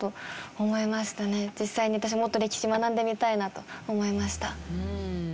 実際に私もっと歴史学んでみたいなと思いました。